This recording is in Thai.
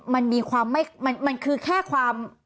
มันมีความไม่มันคือแค่ความ